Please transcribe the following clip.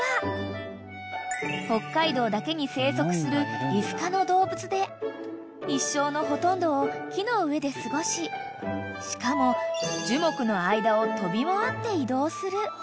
［北海道だけに生息するリス科の動物で一生のほとんどを木の上で過ごししかも樹木の間を飛び回って移動する］